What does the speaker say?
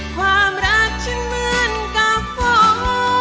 ความรักฉันเหมือนกับโฟ